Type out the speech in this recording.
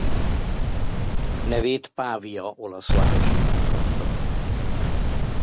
Nevét Pavia olasz város után kapta.